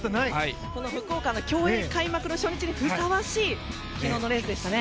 この福岡の競泳開幕初日にふさわしい昨日のレースでしたね。